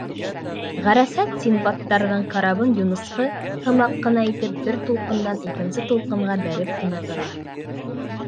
Ғәрәсәт Синдбадтарҙың карабын юнысҡы һымаҡ ҡына итеп бер тулҡындан икенсе тулҡынға бәреп кенә тора.